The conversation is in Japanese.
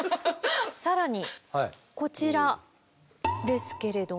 更にこちらですけれども。